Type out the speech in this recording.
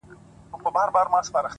• كوم اكبر به ورانوي د فرنګ خونه,